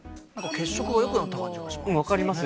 血色が良くなった感じがします。